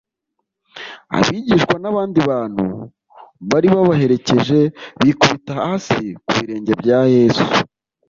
Abigishwa n'abandi bantu bari babaherekeje, bikubita hasi ku birenge bya Yesu,